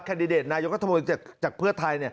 คันดิเดตนายกฏบนภัยจากเพื่อไทย